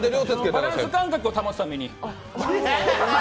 バランス感覚を保つために。